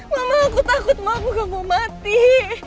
ma ma aku takut ma aku nggak mau mati